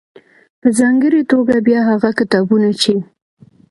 .په ځانګړې توګه بيا هغه کتابونه چې